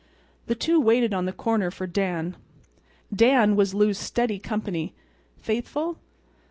The two waited on the corner for Dan. Dan was Lou's steady company. Faithful?